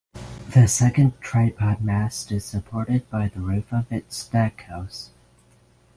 The second tripod mast is supported by the roof of its deckhouse.